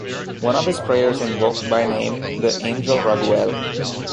One of his prayers invoked by name the angel Raguel.